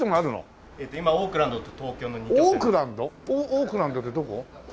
オークランドってどこ？